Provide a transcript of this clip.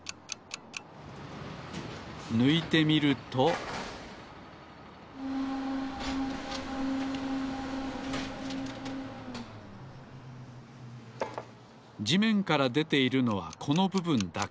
ぬいてみるとじめんからでているのはこのぶぶんだけ。